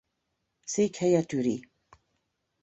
Székhelye Türi.